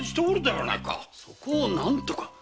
そこを何とか。